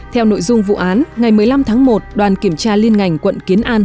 theo nội dung vụ án ngày một mươi năm tháng một đoàn kiểm tra liên ngành quận kiến an